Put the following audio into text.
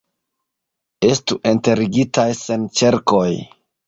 Estu enterigitaj sen ĉerkoj!